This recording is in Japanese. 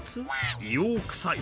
硫黄臭い！